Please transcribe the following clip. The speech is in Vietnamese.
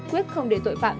quyết không để tội phạm